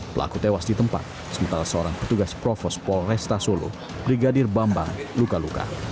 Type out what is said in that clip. pelaku tewas di tempat sementara seorang petugas provos polresta solo brigadir bambang luka luka